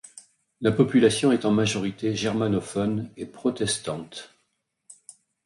La population est en majorité germanophone et protestante.